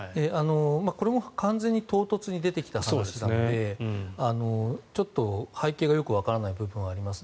これも完全に唐突に出てきた話なのでちょっと背景がよくわからない部分はあります。